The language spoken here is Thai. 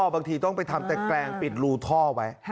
บางทีต้องไปทำตะแกรงปิดรูท่อไว้